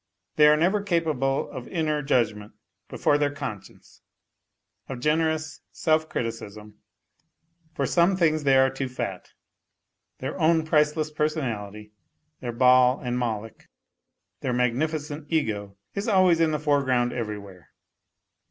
They are never capable of inner judgment before their conscience, of generous self criticism ; for some things they are too fat. Their own priceless personality, their Baal and Moloch, their magnificent ego is always in their foreground everywhere.